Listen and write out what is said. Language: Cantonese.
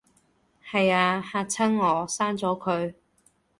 係吖，嚇親我，刪咗佢